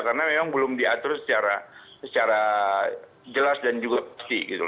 karena memang belum diatur secara jelas dan juga pasti